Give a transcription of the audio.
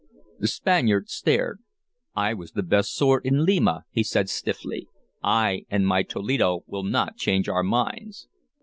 The Spaniard stared. "I was the best sword in Lima," he said stiffly. "I and my Toledo will not change our minds."